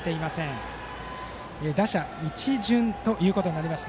これで打者一巡ということになります。